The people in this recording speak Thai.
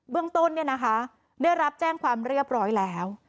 เบื้องต้นเนี่ยนะคะเนื้อรับแจ้งความเรียบร้อยแล้ว